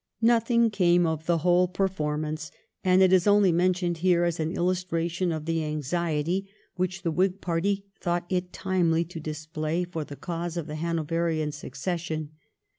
Nothing came of the whole performance, and it is only mentioned here as an illustration of the anxiety which the Whig party thought it timely to display for the cause of the Hanoverian succession.